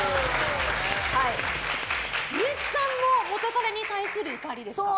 幸さんも元カレに対する怒りですか？